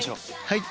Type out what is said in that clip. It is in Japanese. はい！